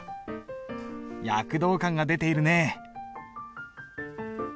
躍動感が出ているね。